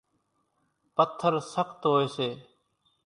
پٿر سخت ھوئي سي